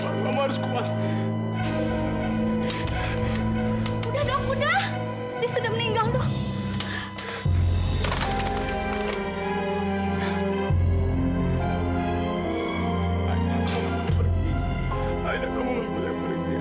ini lukanya sudah komplikasi